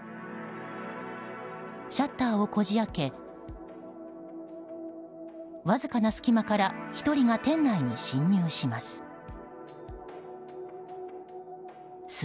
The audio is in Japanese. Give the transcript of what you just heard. シャッターをこじ開けわずかな隙間から１人が店内に侵入します。